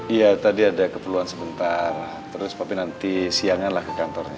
iya tadi ada keperluan sebentar terus papi nanti siang an lah ke kantornya